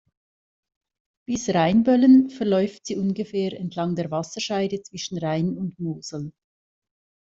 Bis Rheinböllen verläuft sie ungefähr entlang der Wasserscheide zwischen Rhein und Mosel.